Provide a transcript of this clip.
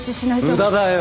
無駄だよ。